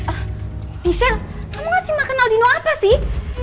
ah michelle kamu ngasih makan aldino apa sih